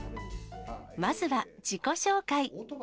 まずは自己紹介。